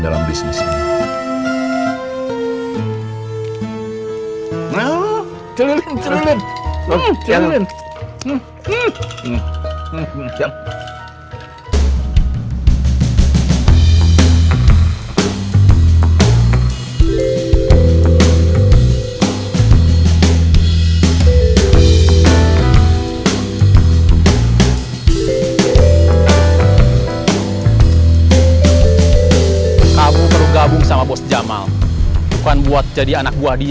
dalam bisnis ini